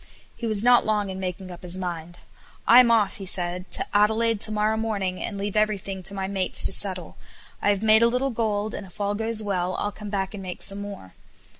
He was not long in making up his mind. "I'm off," said he "to Adelaide to morrow morning, and leave everything to my mates to settle. I have made a little gold, and if all goes well I'll come back and make some more."